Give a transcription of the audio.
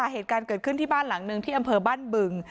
เหตุการณ์เกิดขึ้นที่บ้านหลังหนึ่งที่อำเภอบ้านบึง